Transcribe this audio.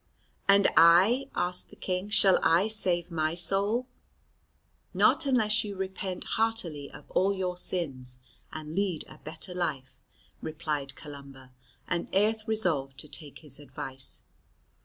"And I," asked the King, "shall I save my soul?" "Not unless you repent heartily of all your sins and lead a better life," replied Columba; and Aedh resolved to take his advice.